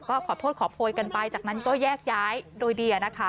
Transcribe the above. ก็ขอโทษขอโพยกันไปจากนั้นก็แยกย้ายโดยเดียนะคะ